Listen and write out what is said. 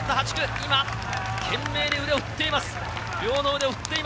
今、懸命に腕を振っています。